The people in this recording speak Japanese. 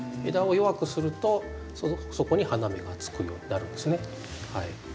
枝を弱くするとそこに花芽がつくようになるんですね。